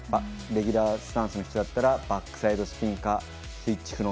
レギュラースタンスも一緒だったらバックサイドスピンかスイッチ